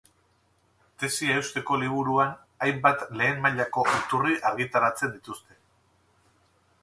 Tesia eusteko liburuan hainbat lehen mailako iturri argitaratzen dituzte.